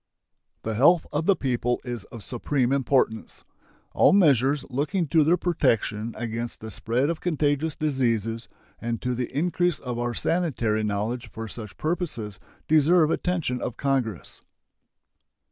The health of the people is of supreme importance. All measures looking to their protection against the spread of contagious diseases and to the increase of our sanitary knowledge for such purposes deserve attention of Congress.